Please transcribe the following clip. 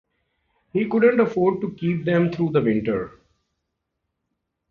He could not afford to keep them through the winter.